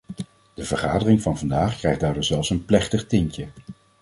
De vergadering van vandaag krijgt daardoor zelfs een plechtig tintje.